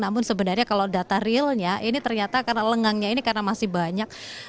namun sebenarnya kalau data realnya ini ternyata karena lengangnya ini karena masih banyak